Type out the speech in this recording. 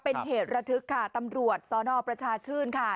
เป็นเหตุระทึกค่ะตำรวจสนประชาชื่นค่ะ